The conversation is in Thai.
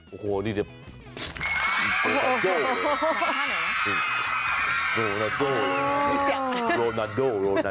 โอ้โหนี่แหละโรนาโดโรนาโดโรนาโด